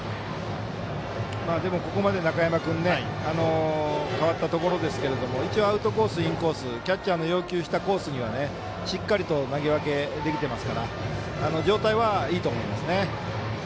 ここまで中山君代わったところですけどアウトコース、インコースキャッチャーの要求するコースにはしっかりと投げ分けできてますから状態はいいと思います。